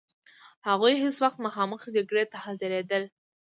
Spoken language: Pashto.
هغوی هیڅ وخت مخامخ جګړې ته حاضرېدل.